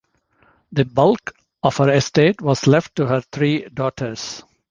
The bulk of her estate was left to her three daughters.